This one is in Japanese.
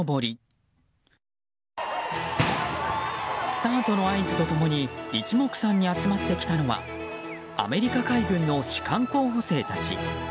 スタートの合図と共に一目散に集まってきたのはアメリカ海軍の士官候補生たち。